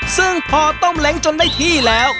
ซึ่งพอต้มเล้งจนได้ที่แล้ว